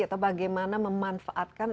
atau bagaimana memanfaatkan